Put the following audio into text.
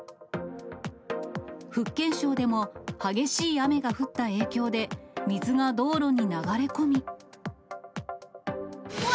福建省でも、激しい雨が降った影響で、水が道路に流れ込み。